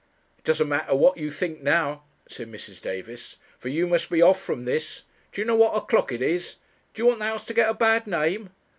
'It doesn't matter what you think now,' said Mrs. Davis; 'for you must be off from this. Do you know what o'clock it is? Do you want the house to get a bad name?